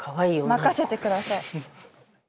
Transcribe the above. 任せて下さい。